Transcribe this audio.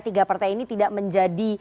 tiga partai ini tidak menjadi